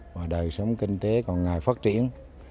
và đời sống kinh tế còn ngày phát triển